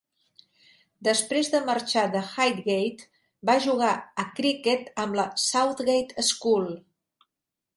Després de marxar de Highgate, va jugar a criquet amb la Southgate School.